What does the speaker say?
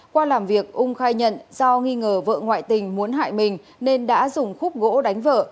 qua làm việc ung khai nhận do nghi ngờ vợ ngoại tình muốn hại mình nên đã dùng khúc gỗ đánh vợ